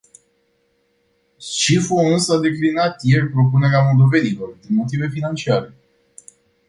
Scifo însă a declinat ieri propunerea moldovenilor, din motive financiare.